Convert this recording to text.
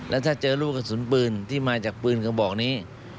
แล้วถ้าเจอลูกกระสุนปืนที่มาจากปืนกระบอกนี้